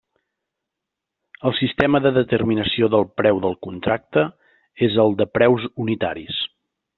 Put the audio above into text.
El sistema de determinació del preu del contracte és el de preus unitaris.